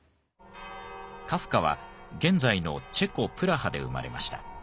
カフカは現在のチェコ・プラハで生まれました。